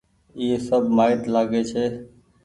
ايئي سب مآئيت لآگي ڇي۔